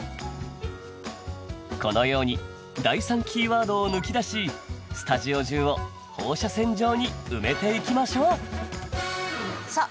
このように第３キーワードを抜き出しスタジオ中を放射線状に埋めていきましょうさあ